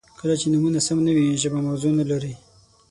• کله چې نومونه سم نه وي، ژبه موضوع نهلري.